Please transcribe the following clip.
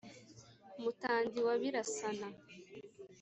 mutandi wa birasana